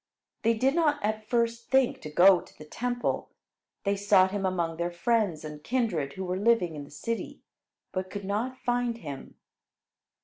They did not at first think to go to the Temple. They sought him among their friends and kindred who were living in the city, but could not find him.